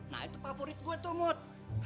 nah itu favorit gua tuh mut